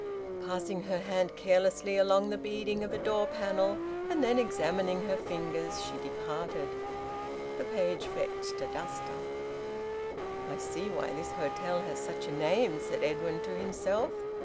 Passing her hand carelessly along the beading of a door panel and then examining her fingers, she departed. The page fetched a duster. "I see why this hotel has such a name," said Edwin to himself.